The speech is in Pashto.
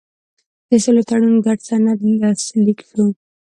د سولې تړون ګډ سند لاسلیک شو.